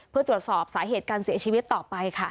เพื่อตรวจสอบสาเหตุการเสียชีวิตต่อไปค่ะ